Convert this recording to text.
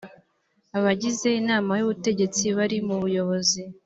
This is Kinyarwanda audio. abagize inama y ubutegetsi bari mu buyobozi